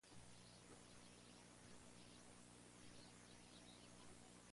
Una vez ocurrido el destete se pierde la importancia de esta estructura.